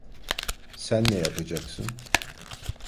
Sen ne yapacaksın?